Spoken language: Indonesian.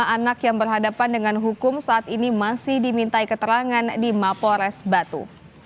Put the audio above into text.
lima anak yang berhadapan dengan hukum saat ini masih dimintai keterangan di mapores batu